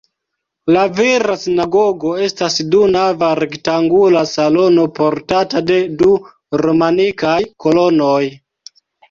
La vira sinagogo estas du-nava rektangula salono portata de du romanikaj kolonoj.